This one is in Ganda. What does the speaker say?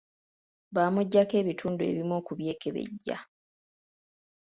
Bamuggyako ebitundu ebimu okubyekebejja.